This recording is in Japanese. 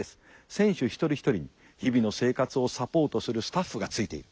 選手一人一人に日々の生活をサポートするスタッフがついている。